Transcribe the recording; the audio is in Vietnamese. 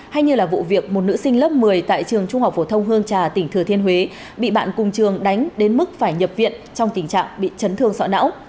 hay như là vụ việc một nữ sinh lớp một mươi tại trường trung học phổ thông hương trà tỉnh thừa thiên huế bị bạn cùng trường đánh đến mức phải nhập viện trong tình trạng bị chấn thương sọ não